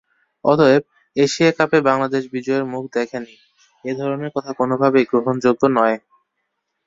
অতএব, এশিয়া কাপে বাংলাদেশ বিজয়ের মুখ দেখেনি—এ ধরনের কথা কোনোভাবেই গ্রহণযোগ্য নয়।